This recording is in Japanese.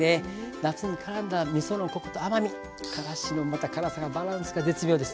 なすにからんだみそのコクと甘みからしのまた辛さがバランスが絶妙です。